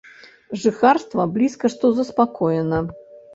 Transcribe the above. Жыхарства блізка што заспакоена.